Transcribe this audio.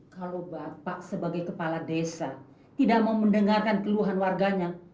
kalau bapak sebagai kepala desa tidak mau mendengarkan keluhan warganya